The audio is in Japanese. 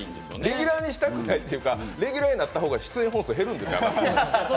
レギュラーにしたくないっていうかレギュラーにした方が出演本数減るんですよ。